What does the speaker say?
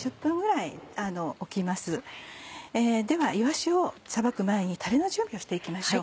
ではいわしをさばく前にたれの準備をして行きましょう。